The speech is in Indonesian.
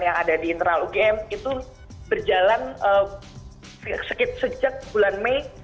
yang ada di internal ugm itu berjalan sejak bulan mei